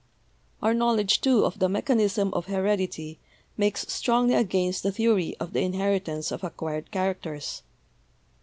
"Our knowledge, too, of the mechanism of heredity makes strongly against the theory of the inheritance of acquired characters.